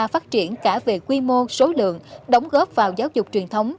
phát triển cả về quy mô số lượng đóng góp vào giáo dục truyền thống